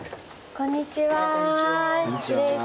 こんにちは。